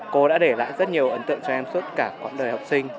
cô đã để lại rất nhiều ấn tượng cho em suốt cả quãng đời học sinh